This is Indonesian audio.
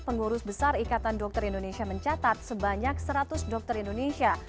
pengurus besar ikatan dokter indonesia mencatat sebanyak seratus dokter indonesia